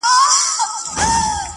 ښه موده کيږي چي هغه مجلس ته نه ورځمه;